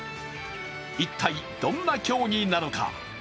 一体、どんな競技なのか。